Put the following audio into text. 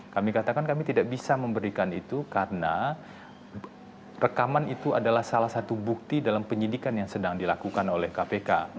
kami katakan kami tidak bisa memberikan itu karena rekaman itu adalah salah satu bukti dalam penyidikan yang sedang dilakukan oleh kpk